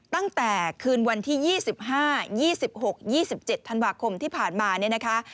ตั้งแต่คืนวันที่๒๕๒๖๒๗ธันวาคมที่ผ่านมาเนี่ยนะคะ